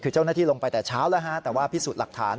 คือเจ้าหน้าที่ลงไปแต่เช้าแล้วฮะแต่ว่าพิสูจน์หลักฐาน